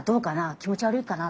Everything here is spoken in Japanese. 気持ち悪いかな？とか。